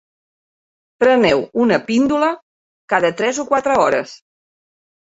Preneu una píndola cada tres o quatre hores.